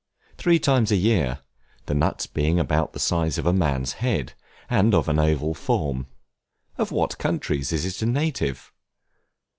Three times a year, the nuts being about the size of a man's head, and of an oval form. Of what countries is it a native?